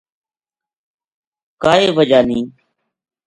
کائے وجہ نیہہ‘‘